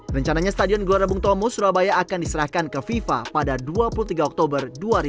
rencananya stadion gelora bung tomo surabaya akan diserahkan ke fifa pada dua puluh tiga oktober dua ribu dua puluh